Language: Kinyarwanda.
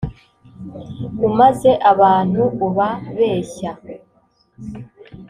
umaze abantu uba beshya